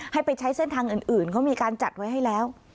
ให้ไปใช้เส้นทางอื่นเขามีการจัดไว้ให้แล้ว